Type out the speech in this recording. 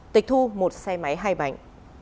tịch thu một xe máy hai bảnh